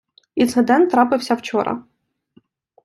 Інцидент трапився вчора.